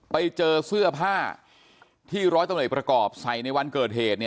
ไปเจอเสื้อผ้าที่ร้อยตำรวจเอกประกอบใส่ในวันเกิดเหตุ